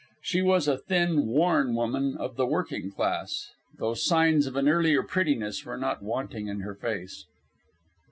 She was a thin, worn woman of the working class, though signs of an earlier prettiness were not wanting in her face.